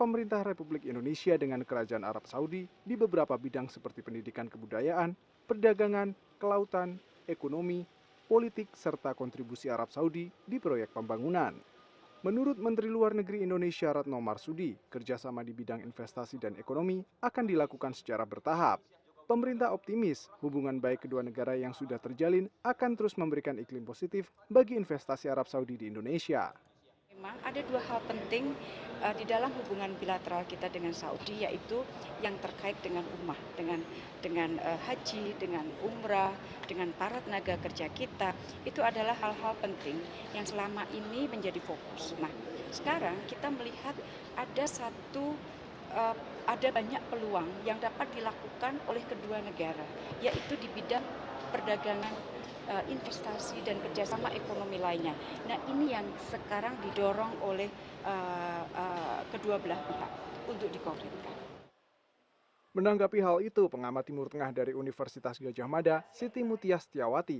menanggapi hal itu pengamat timur tengah dari universitas gajah mada siti mutia setiawati